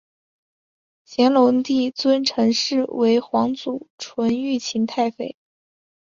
乾隆帝尊陈氏为皇祖纯裕勤太妃。